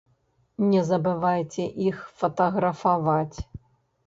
Не забывайце іх фатаграфаваць.